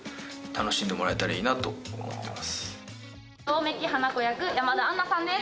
百目鬼華子役山田杏奈さんです